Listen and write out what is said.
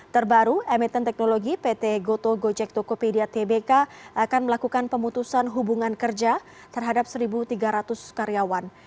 terbaru emiten technology pt goto gojek tokopedia tbk akan melakukan pemutusan hubungan kerja terhadap satu tiga ratus karyawan